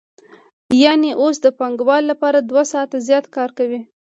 یانې اوس د پانګوال لپاره دوه ساعته زیات کار کوي